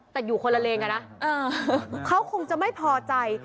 แต่อยู่คนละเลงอะนะเขาคงจะไม่พอใจ